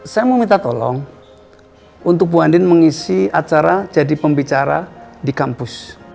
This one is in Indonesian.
saya mau minta tolong untuk bu andin mengisi acara jadi pembicara di kampus